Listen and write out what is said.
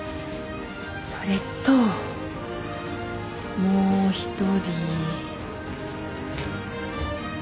それともう一人。